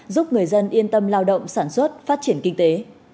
giúp người dân yên tâm lao động sản xuất phát triển kinh tế